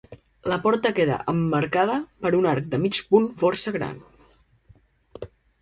La porta queda emmarcada per un arc de mig punt força gran.